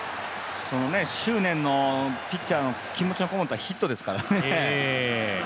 その執念のピッチャーの気持ちのこもったヒットですからね。